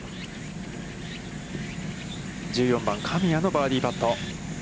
１４番、神谷のバーディーパット。